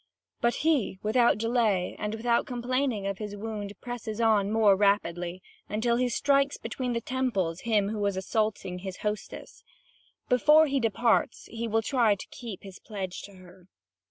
But he, without delay, and without complaining of his wound, presses on more rapidly, until he strikes between the temples him who was assaulting his hostess. Before he departs, he will try to keep his pledge to her.